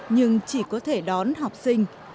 nhưng chỉ có thể đón học sinh